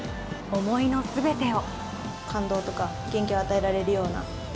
思いの全てを。